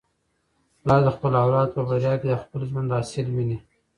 پلار د خپل اولاد په بریا کي د خپل ژوند حاصل ویني.